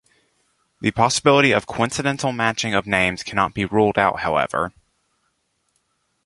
The possibility of coincidental matching of names cannot be ruled out however.